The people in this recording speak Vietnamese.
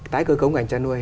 tái cơ cống ngành chăn nuôi